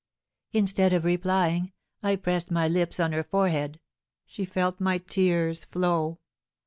Instead of replying, I pressed my lips on her forehead; she felt my tears flow.